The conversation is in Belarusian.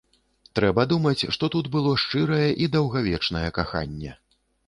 Трэба думаць, што тут было шчырае і даўгавечнае каханне.